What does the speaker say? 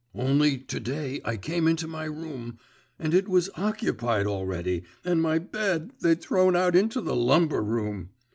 … Only, to day I came into my room, and it was occupied already, and my bed they'd thrown out into the lumber room!